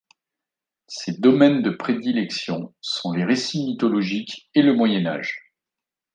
Ses domaines de prédilection sont les récits mythologiques et le Moyen Âge.